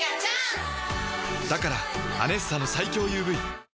だから「アネッサ」の最強ＵＶ